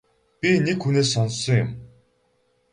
Би нэг хүнээс сонссон юм.